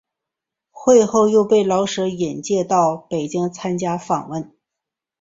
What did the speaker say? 会后又被老舍引介到北京参观访问。